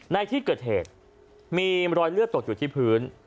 ในที่เกิดเหตุมีรอยเลือดตกอยู่ที่พื้น